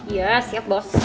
iya siap bos